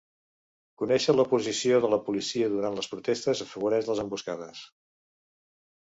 Conèixer la posició de la policia durant les protestes afavoreix les emboscades